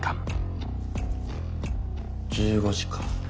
１５時か。